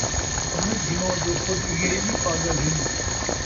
سمجھ گِھنو، جو خود اِیہے اِی پاگل ہِن،